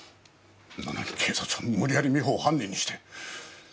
なのに警察は無理やり美穂を犯人にして。